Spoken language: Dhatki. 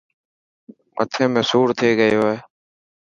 مٿي ۾ سوڙ ٿي گيو هي.